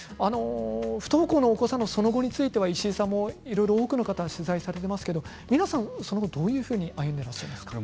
不登校のお子さんのその後について石井さんも多くの方を取材されていますが皆さんにどういうふうに歩んでらっしゃいますか。